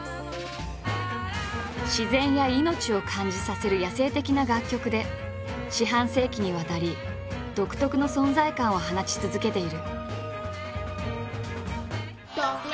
自然や命を感じさせる野生的な楽曲で四半世紀にわたり独特な存在感を放ち続けている。